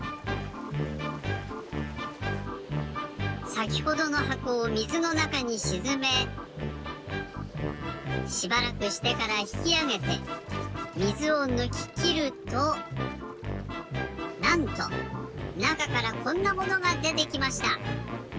さきほどのはこをみずのなかにしずめしばらくしてからひきあげてみずをぬききるとなんとなかからこんなものがでてきました！